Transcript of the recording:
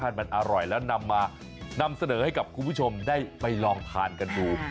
นำมานำเสนอให้กับคุณผู้ชมได้ไปลองทานกันดู